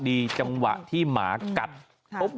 มีภาพจากกล้อมรอบหมาของเพื่อนบ้าน